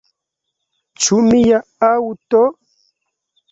Ĉu mia aŭto?